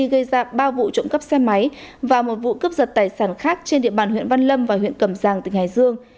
gây ra ba vụ trộm cắp xe máy và một vụ cướp giật tài sản khác trên địa bàn huyện văn lâm và huyện cẩm giang tỉnh hải dương